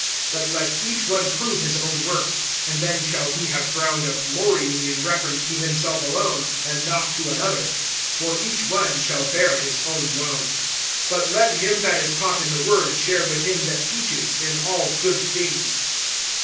(4)But let each one prove his own work, and then shall he have ground of glorying in reference to himself alone, and not to another. (5)For each one shall bear his own load. (6)But let him that is taught in the word share with him that teaches, in all good things.